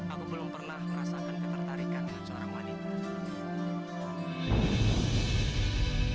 aku belum pernah merasakan ketertarikan dengan seorang wanita